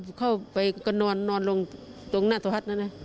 พอเข้าไปก็นอนลงตรงหน้าตรวจนั้นนะ